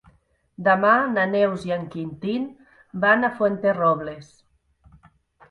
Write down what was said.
Demà na Neus i en Quintí van a Fuenterrobles.